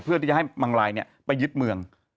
เพื่อที่จะให้มังลายไปยึดเมือง